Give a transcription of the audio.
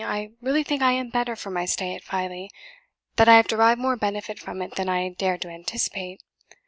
I really think I am better for my stay at Filey; that I have derived more benefit from it than I dared to anticipate.